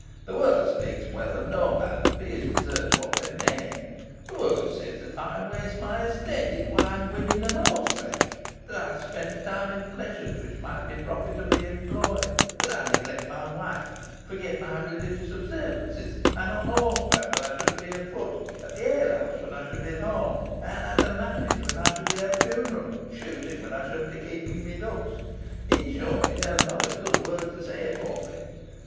"The world speaks well of no man, be his deserts what they may. The world says that I waste my estate in wine, women, and horseflesh that I spend time in pleasures which might be profitably employed that I neglect my wife, forget my religious observances, am on horseback when I should be afoot, at the alehouse when I should be at home, at a marriage when I should be at a funeral, shooting when I should be keeping my books in short, it has not a good word to say for me.